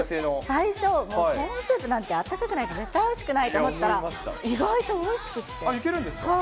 最初、コーンスープなんて、温かくないと絶対おいしくないと思ったら、いけるんですか？